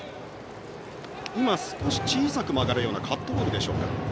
小さく曲がるようなカットボールでしょうか。